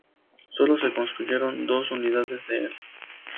Solo se construyeron dos unidades de el.